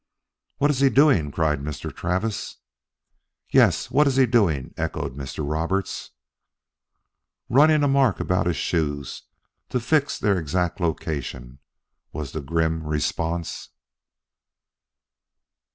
"What is he doing?" cried Mr. Travis. "Yes, what is he doing?" echoed Mr. Roberts. "Running a mark about his shoes to fix their exact location," was the grim response.